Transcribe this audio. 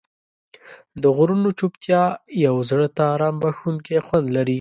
د غرونو چوپتیا یو زړه ته آرام بښونکی خوند لري.